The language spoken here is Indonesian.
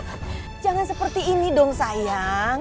oh jangan seperti ini dong sayang